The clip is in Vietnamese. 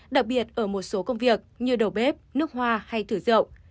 đặc biệt ở một số công việc như đầu bếp nước hoa hay thử rậu